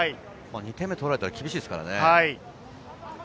２点目を取られたら厳しいですからね。